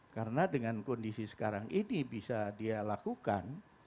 karena dengan kondisi sekarang ini bisa dia lakukan